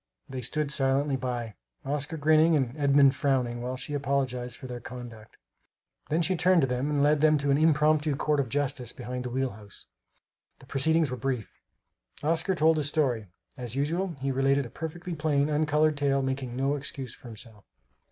They stood silently by, Oscar grinning and Edmund frowning, while she apologized for their conduct. Then she turned to them and led them to an impromptu court of justice behind the wheel house. The proceedings were brief. Oscar told his story. As usual, he related a perfectly plain, uncolored tale, making no excuse for himself.